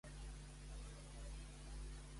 Què decideix alguna gent, però?